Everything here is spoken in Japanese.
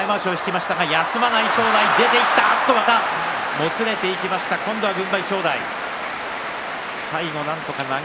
もつれていきましたが今度は軍配は正代。